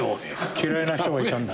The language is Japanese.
嫌いな人がいたんだ。